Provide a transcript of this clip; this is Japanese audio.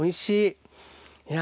いや。